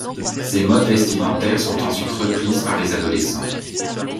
Ces modes vestimentaires sont ensuite reprises par les adolescents.